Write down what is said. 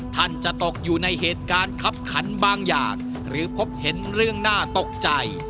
ท่านจะตกอยู่ในเหตุการณ์คับขันบางอย่างหรือพบเห็นเรื่องน่าตกใจ